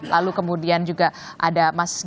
lalu kemudian juga ada mas